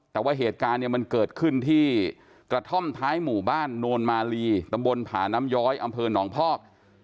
แต่ว่าเหตุการณ์เนี่ยมันเกิดขึ้นที่กระท่อมท้ายหมู่บ้านโนนมาลีตำบลผาน้ำย้อยอำเภอหนองพอก